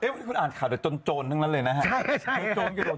วันนี้คุณอ่านข่าวแต่จนโจรทั้งนั้นเลยนะครับ